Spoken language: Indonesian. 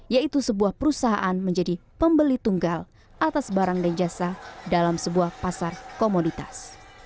yaitu sebuah perusahaan menjadi pembeli tunggal atas barang dan jasa dalam sebuah pasar komoditas